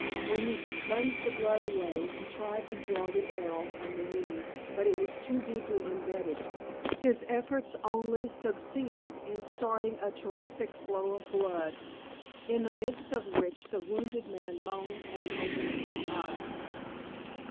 When he had sponged the blood away he tried to draw the arrow from the wound, but it was too deeply imbedded. His efforts only succeeded in starting a terrific flow of blood, in the midst of which the wounded man moaned and opened his eyes.